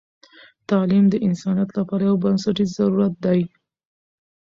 تعلیم د انسانیت لپاره یو بنسټیز ضرورت دی.